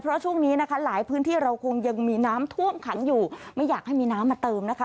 เพราะช่วงนี้นะคะหลายพื้นที่เราคงยังมีน้ำท่วมขังอยู่ไม่อยากให้มีน้ำมาเติมนะคะ